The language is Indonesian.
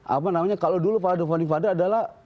apa namanya kalau dulu pak adho fadif adha adalah